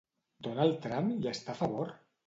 Donald Trump hi està a favor?